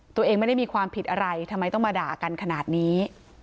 ตัวเองไม่ได้มีความผิดอะไรทำไมต้องมาด่ากันขนาดนี้